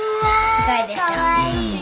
すごいでしょ？